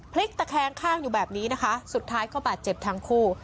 พลิกตะแคงข้างอยู่แบบนี้นะคะสุดท้ายก็บาดเจ็บทั้งคู่